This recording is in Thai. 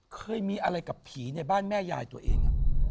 เคยมีอะไรกับผีในบ้านแม่ยายตัวเอง